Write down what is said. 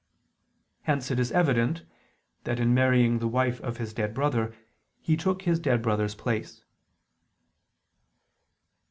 Hence it is evident that in marrying the wife of his dead brother, he took his dead brother's place.